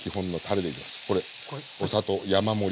これお砂糖山盛り。